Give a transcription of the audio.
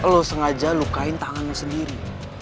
lu sengaja lukain tangan lu sendiri